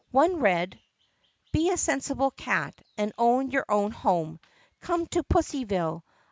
One read : BE A SENSIBLE CAT AND OWN YOUR OWN HOME COME TO PUSSYVILLE!